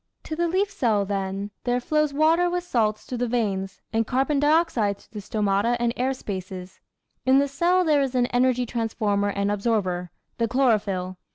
To the leaf cell, then, there flows water with salts through the veins, and carbon dioxide through the stomata and air spaces. In the cell there is an energy transformer and absorber, the chlorophyll.